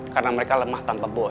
karena mereka lemah tanpa boy